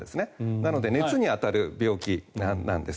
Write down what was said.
なので熱に当たる病気なんです。